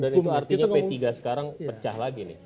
dan itu artinya p tiga sekarang pecah lagi nih